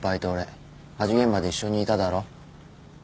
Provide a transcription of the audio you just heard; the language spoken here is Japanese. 火事現場で一緒にいただろ。